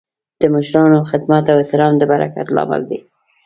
د مشرانو خدمت او احترام د برکت لامل دی.